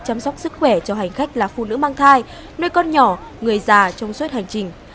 chăm sóc sức khỏe cho hành khách là phụ nữ mang thai nuôi con nhỏ người già trong suốt hành trình